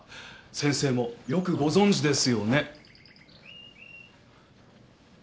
先生もよくご存じですよね？